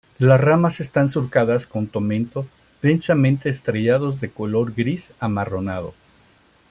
Las ramas están surcadas con tomento densamente estrellados de color gris amarronado.